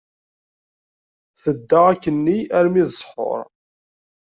Tedda akkenni armi d ṣṣḥur.